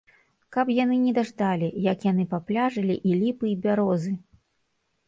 Каб яны не даждалі, як яны папляжылі і ліпы і бярозы!